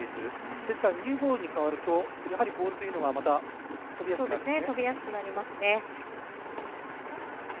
ですからニューボールに変わるとやはりボールというのがまた飛びやすくなるんですね。